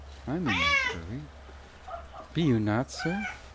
I am in no hurry." "Be you not, sir?